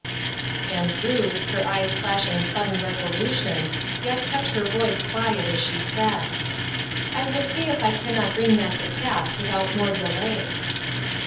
And Ruth, her eyes flashing sudden resolution, yet kept her voice quiet as she said, — "I will see if I cannot bring that to pass with out more delay."